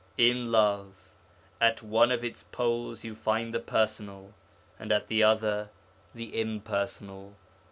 'In love, at one of its poles you find the personal, and at the other the impersonal.'